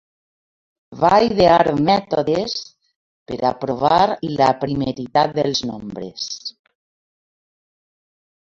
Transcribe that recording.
Va idear mètodes per a provar la primeritat dels nombres.